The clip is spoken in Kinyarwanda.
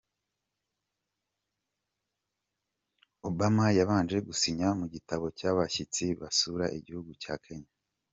Obama yabanje gusinya mu gitabo cy'abashyitsi basura igihugu cya Kenya.